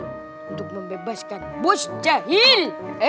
untuk membebaskan bos jahil